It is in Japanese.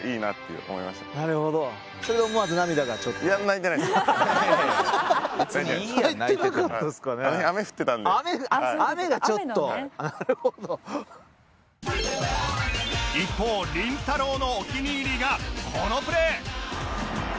一方りんたろー。のお気に入りがこのプレー